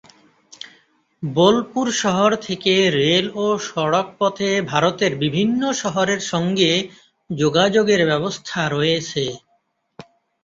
বোলপুর শহর থেকে রেল ও সড়ক পথে ভারতের বিভিন্ন শহরের সঙ্গে যোগাযোগের ব্যবস্থা রয়েছে।